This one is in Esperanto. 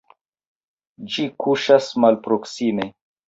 Ĝi kuŝas malproksime.